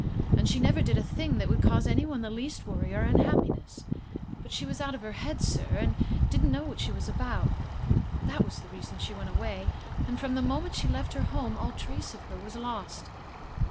And she never did a thing that would cause anyone the least worry or unhappiness. But she was out of her head, sir, and didn't know what she was about. That was the reason she went away. And from the moment she left her home all trace of her was lost."